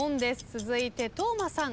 続いて當間さん。